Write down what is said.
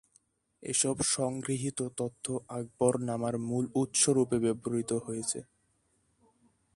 এসব সংগৃহীত তথ্য আকবরনামার মূল উৎস রূপে ব্যবহূত হয়েছে।